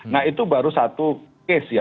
nah itu baru satu case ya